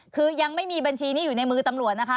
คือยังไม่มีบัญชีนี้อยู่ในมือตำรวจนะคะ